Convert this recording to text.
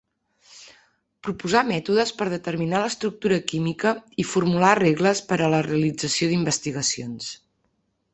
Proposà mètodes per determinar l'estructura química i formulà regles per a la realització d'investigacions.